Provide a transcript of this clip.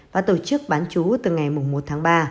và tổ chức bán chú từ ngày một tháng ba